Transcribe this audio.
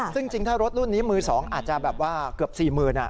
ซึ่งจริงถ้ารถรุ่นนี้มือ๒อาจจะแบบว่าเกือบ๔๐๐๐บาท